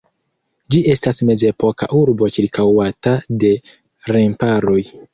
Ĝi estas mezepoka urbo ĉirkaŭata de remparoj.